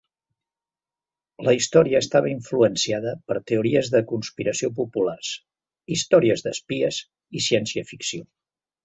La història estava influenciada per teories de conspiració populars, històries d'espies i ciència ficció.